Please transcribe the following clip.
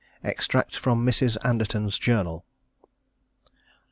_Extracts from Mrs. Anderton's Journal.